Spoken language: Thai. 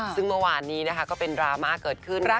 ซึ่งเมื่อวานนี้นะคะก็เป็นดราม่าเกิดขึ้น